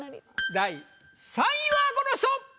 第３位はこの人！